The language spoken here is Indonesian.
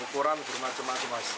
ukuran bermacam macam mas